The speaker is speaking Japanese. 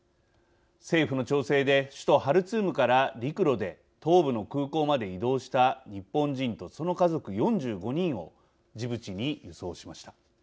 政府の調整で首都ハルツームから陸路で東部の空港まで移動した日本人とその家族４５人をジブチに輸送しました。